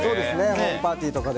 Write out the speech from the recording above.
ホームパーティーとかで。